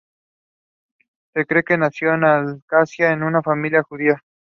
Radio is the nearest rural locality.